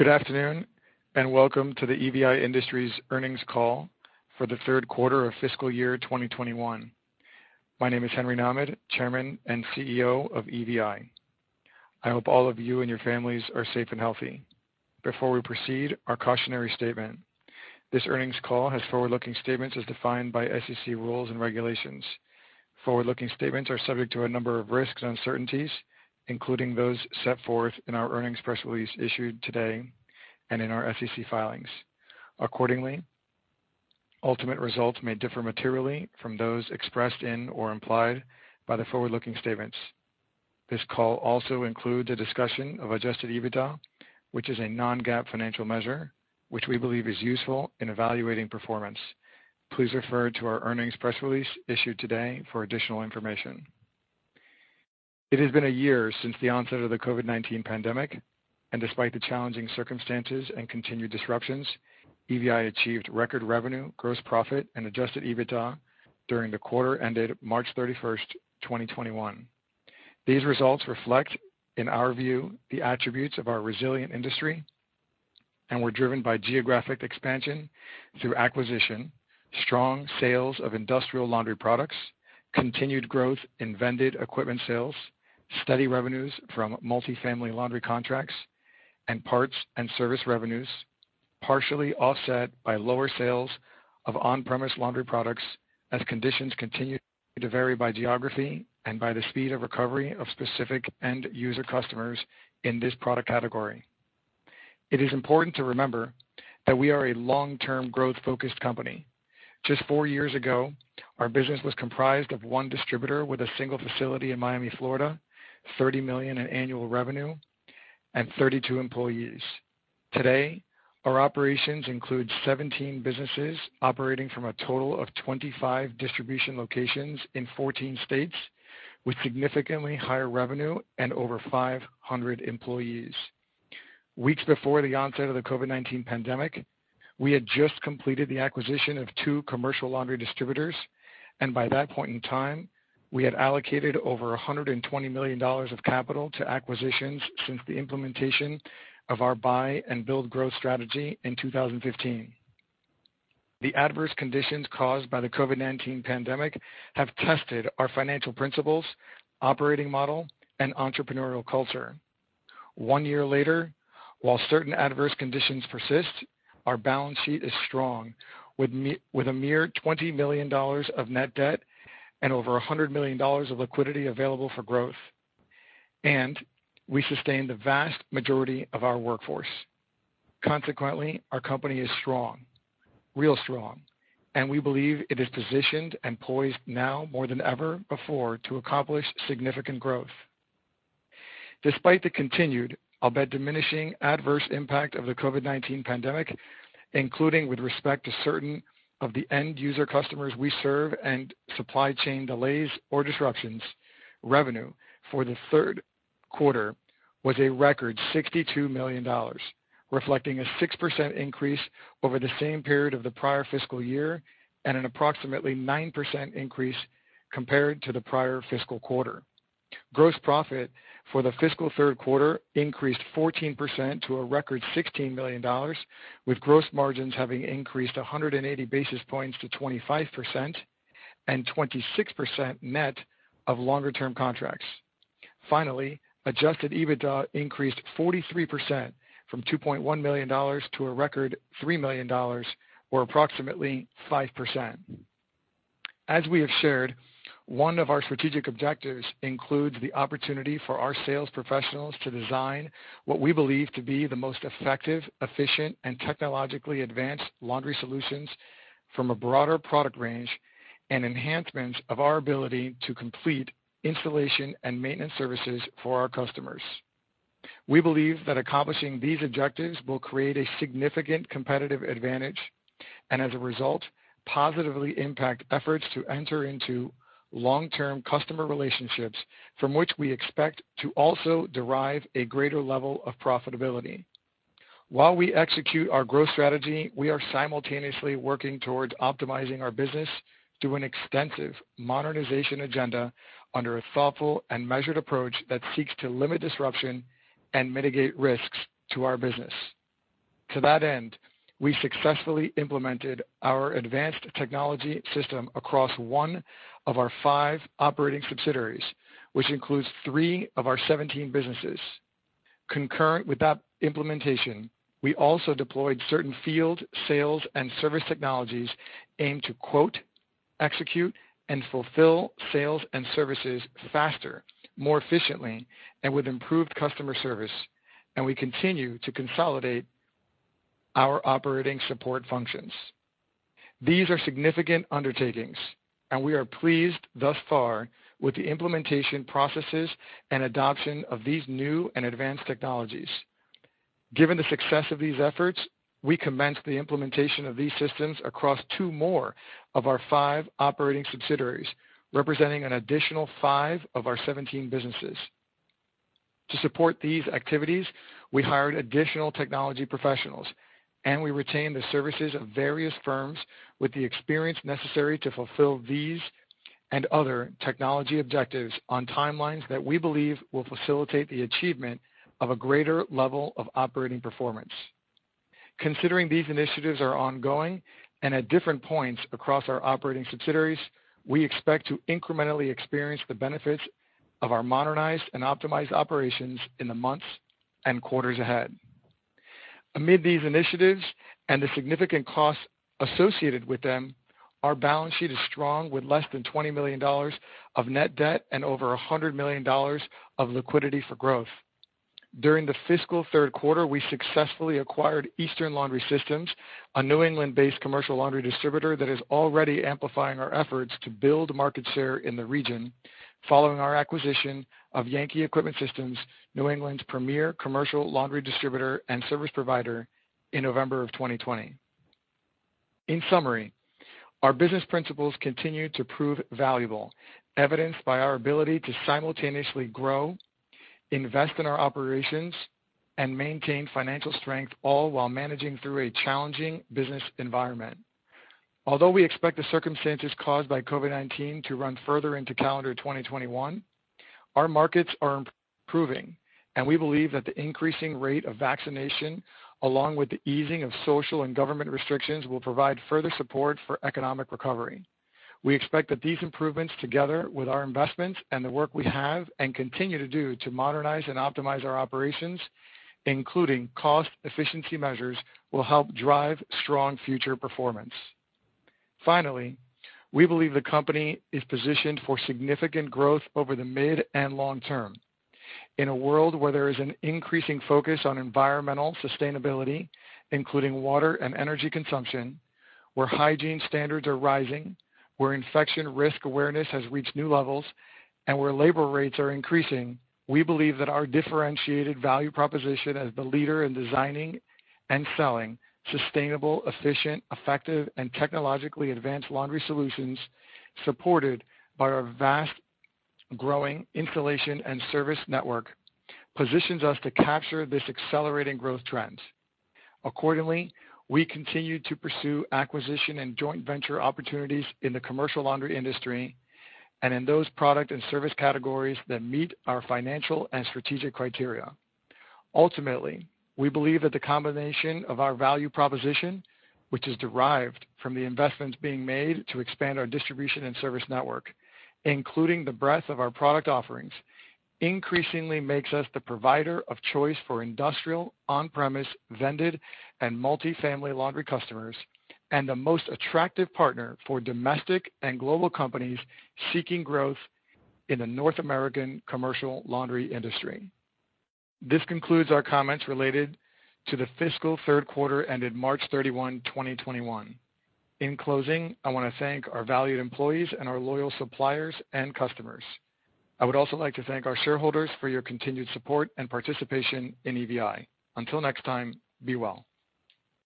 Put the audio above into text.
Good afternoon, and welcome to the EVI Industries earnings call for the third quarter of fiscal year 2021. My name is Henry Nahmad, Chairman and CEO of EVI. I hope all of you and your families are safe and healthy. Before we proceed, our cautionary statement. This earnings call has forward-looking statements as defined by SEC rules and regulations. Forward-looking statements are subject to a number of risks and uncertainties, including those set forth in our earnings press release issued today and in our SEC filings. Accordingly, ultimate results may differ materially from those expressed in or implied by the forward-looking statements. This call also includes a discussion of adjusted EBITDA, which is a non-GAAP financial measure, which we believe is useful in evaluating performance. Please refer to our earnings press release issued today for additional information. It has been a year since the onset of the COVID-19 pandemic, and despite the challenging circumstances and continued disruptions, EVI achieved record revenue, gross profit, and adjusted EBITDA during the quarter ended March 31st, 2021. These results reflect, in our view, the attributes of our resilient industry and were driven by geographic expansion through acquisition, strong sales of industrial laundry products, continued growth in vended equipment sales, steady revenues from multi-family laundry contracts, and parts and service revenues, partially offset by lower sales of on-premise laundry products as conditions continue to vary by geography and by the speed of recovery of specific end-user customers in this product category. It is important to remember that we are a long-term growth-focused company. Just four years ago, our business was comprised of one distributor with a single facility in Miami, Florida, $30 million in annual revenue, and 32 employees. Today, our operations include 17 businesses operating from a total of 25 distribution locations in 14 states, with significantly higher revenue and over 500 employees. Weeks before the onset of the COVID-19 pandemic, we had just completed the acquisition of two commercial laundry distributors, and by that point in time, we had allocated over $120 million of capital to acquisitions since the implementation of our buy and build growth strategy in 2015. The adverse conditions caused by the COVID-19 pandemic have tested our financial principles, operating model, and entrepreneurial culture. One year later, while certain adverse conditions persist, our balance sheet is strong, with a mere $20 million of net debt and over $100 million of liquidity available for growth, and we sustained the vast majority of our workforce. Consequently, our company is strong, real strong, and we believe it is positioned and poised now more than ever before to accomplish significant growth. Despite the continued, albeit diminishing, adverse impact of the COVID-19 pandemic, including with respect to certain of the end-user customers we serve and supply chain delays or disruptions, revenue for the third quarter was a record $62 million, reflecting a 6% increase over the same period of the prior fiscal year and an approximately 9% increase compared to the prior fiscal quarter. Gross profit for the fiscal third quarter increased 14% to a record $16 million, with gross margins having increased 180 basis points to 25% and 26% net of longer-term contracts. Finally, adjusted EBITDA increased 43% from $2.1 million to a record $3 million or approximately 5%. As we have shared, one of our strategic objectives includes the opportunity for our sales professionals to design what we believe to be the most effective, efficient, and technologically advanced laundry solutions from a broader product range and enhancements of our ability to complete installation and maintenance services for our customers. We believe that accomplishing these objectives will create a significant competitive advantage and, as a result, positively impact efforts to enter into long-term customer relationships from which we expect to also derive a greater level of profitability. While we execute our growth strategy, we are simultaneously working towards optimizing our business through an extensive modernization agenda under a thoughtful and measured approach that seeks to limit disruption and mitigate risks to our business. To that end, we successfully implemented our advanced technology system across one of our five operating subsidiaries, which includes three of our 17 businesses. Concurrent with that implementation, we also deployed certain field sales and service technologies aimed to quote, execute, and fulfill sales and services faster, more efficiently, and with improved customer service, and we continue to consolidate our operating support functions. These are significant undertakings, and we are pleased thus far with the implementation processes and adoption of these new and advanced technologies. Given the success of these efforts, we commenced the implementation of these systems across two more of our five operating subsidiaries, representing an additional five of our 17 businesses. To support these activities, we hired additional technology professionals, and we retained the services of various firms with the experience necessary to fulfill these and other technology objectives on timelines that we believe will facilitate the achievement of a greater level of operating performance. Considering these initiatives are ongoing and at different points across our operating subsidiaries, we expect to incrementally experience the benefits of our modernized and optimized operations in the months and quarters ahead. Amid these initiatives and the significant costs associated with them, our balance sheet is strong, with less than $20 million of net debt and over $100 million of liquidity for growth. During the fiscal third quarter, we successfully acquired Eastern Laundry Systems, a New England-based commercial laundry distributor that is already amplifying our efforts to build market share in the region, following our acquisition of Yankee Equipment Systems, New England's premier commercial laundry distributor and service provider in November of 2020. In summary, our business principles continue to prove valuable, evidenced by our ability to simultaneously grow, invest in our operations, and maintain financial strength, all while managing through a challenging business environment. Although we expect the circumstances caused by COVID-19 to run further into calendar 2021, our markets are improving, and we believe that the increasing rate of vaccination, along with the easing of social and government restrictions, will provide further support for economic recovery. We expect that these improvements, together with our investments and the work we have and continue to do to modernize and optimize our operations, including cost efficiency measures, will help drive strong future performance. Finally, we believe the company is positioned for significant growth over the mid and long term. In a world where there is an increasing focus on environmental sustainability, including water and energy consumption, where hygiene standards are rising, where infection risk awareness has reached new levels, and where labor rates are increasing, we believe that our differentiated value proposition as the leader in designing and selling sustainable, efficient, effective, and technologically advanced laundry solutions, supported by our vast growing installation and service network, positions us to capture this accelerating growth trend. Accordingly, we continue to pursue acquisition and joint venture opportunities in the commercial laundry industry and in those product and service categories that meet our financial and strategic criteria. Ultimately, we believe that the combination of our value proposition, which is derived from the investments being made to expand our distribution and service network, including the breadth of our product offerings, increasingly makes us the provider of choice for industrial, on-premise, vended, and multi-family laundry customers, and the most attractive partner for domestic and global companies seeking growth in the North American commercial laundry industry. This concludes our comments related to the fiscal third quarter ended March 31, 2021. In closing, I want to thank our valued employees and our loyal suppliers and customers. I would also like to thank our shareholders for your continued support and participation in EVI. Until next time, be well.